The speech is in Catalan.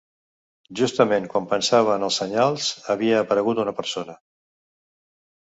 Justament quan pensava en els senyals, havia aparegut una persona.